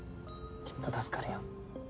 きっと助かるよ。